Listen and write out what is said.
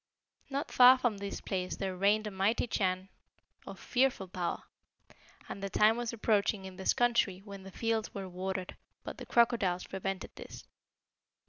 "Not far from this place there reigned a mighty Chan of fearful power; and the time was approaching in this country when the fields were watered, but the crocodiles prevented this.